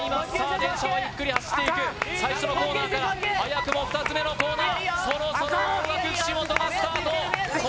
電車はゆっくり走っていく最初のコーナーから早くも２つ目のコーナーそろそろ青学・岸本がスタートあかん！